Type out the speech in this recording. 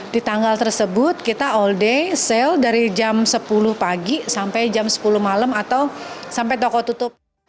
di tanggal tersebut kita all day sale dari jam sepuluh pagi sampai jam sepuluh malam atau sampai toko tutup